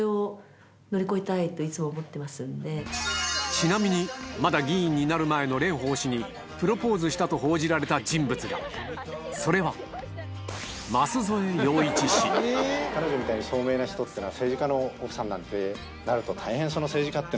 ちなみにまだ議員になる前の蓮舫にプロポーズしたと報じられた人物がそれはとかそういうようなことでも。